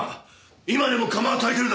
今でも窯は焚いてるだろ！